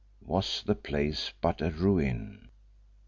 Was the place but a ruin?